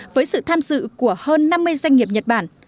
với sự tham dự của hơn năm mươi doanh nghiệp nhật bản